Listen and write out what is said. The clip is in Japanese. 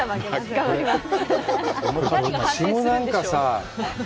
頑張ります。